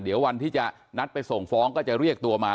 เดี๋ยววันที่จะนัดไปส่งฟ้องก็จะเรียกตัวมา